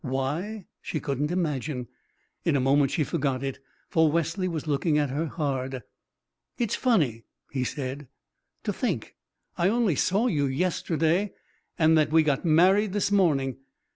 Why, she couldn't imagine. In a moment she forgot it, for Wesley was looking at her hard. "It's funny," he said, "to think I only saw you yesterday, and that we got married this morning.